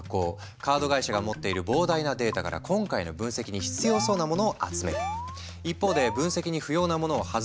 カード会社が持っている膨大なデータから今回の分析に必要そうなものを集める。